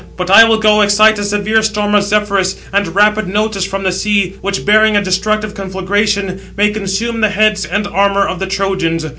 But I will go to excite a severe storm of Zephyrus, and rapid Notus from the sea, which bearing a destructive conflagration, may consume the heads and armour of the Trojans.